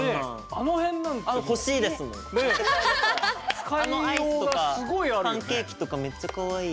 あのアイスとかパンケーキとかめっちゃかわいい。